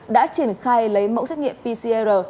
đã triển khai lấy mẫu xét nghiệm pcr